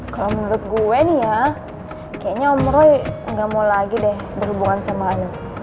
kalau menurut gue nih ya kayaknya om roy nggak mau lagi deh berhubungan sama anak